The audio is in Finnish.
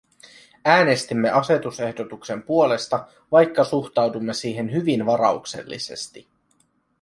Äänestimme asetusehdotuksen puolesta, vaikka suhtaudumme siihen hyvin varauksellisesti.